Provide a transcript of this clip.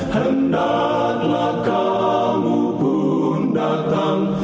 hendaklah kamu pun datang